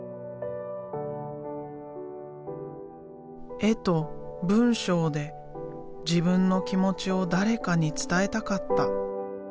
絵と文章で自分の気持ちを誰かに伝えたかった。